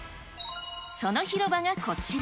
その広場がこちら。